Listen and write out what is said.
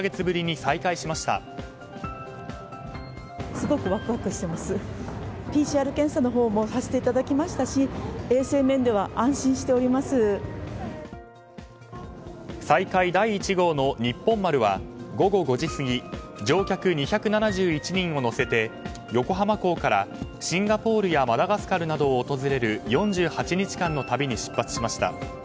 再開第１号の「にっぽん丸」は午後５時過ぎ乗客２７１人を乗せて横浜港からシンガポールやマダガスカルなどを訪れる４８日間の旅に出発しました。